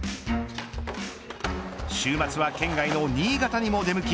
週末は、県外の新潟にまで出向き